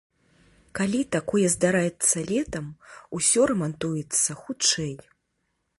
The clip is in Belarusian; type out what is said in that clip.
Калі такое здараецца летам, усё рамантуецца хутчэй.